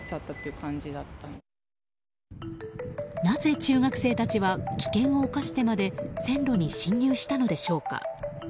なぜ中学生たちは危険を冒してまで線路に進入したのでしょうか。